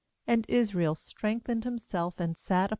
And Israel strengthened himself, and sat